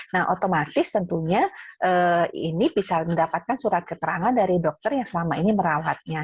nah otomatis tentunya ini bisa mendapatkan surat keterangan dari dokter yang selama ini merawatnya